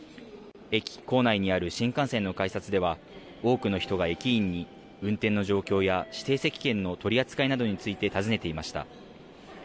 駅構内にある新幹線の改札では多くの人が駅員に運転の状況や指定席券の取り扱いなどについて尋ねていました。